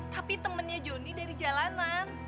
tapi temennya joni dari jalanan